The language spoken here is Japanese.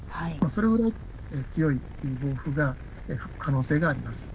それほど強い暴風が吹く可能性があります。